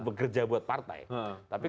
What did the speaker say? bekerja buat partai